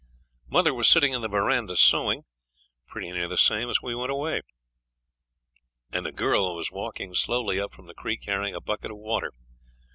Mother was sitting in the verandah sewing, pretty near the same as we went away, and a girl was walking slowly up from the creek carrying a bucket of water.